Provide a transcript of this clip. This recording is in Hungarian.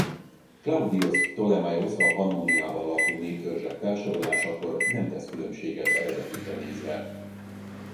Klaudiosz Ptolemaiosz a Pannóniában lakó néptörzsek felsorolásakor nem tesz különbséget eredetükre nézve.